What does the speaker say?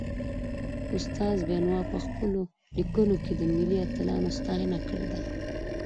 استاد بينوا په پخپلو ليکنو کي د ملي اتلانو ستاینه کړې ده.